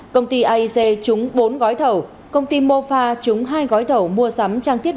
công ty aic trúng bốn gói thầu công ty mofa trúng hai gói thầu mua sắm trang thiết